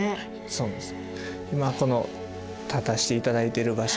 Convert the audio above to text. そうです